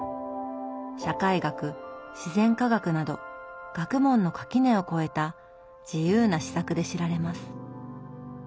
社会学自然科学など学問の垣根を超えた自由な思索で知られます。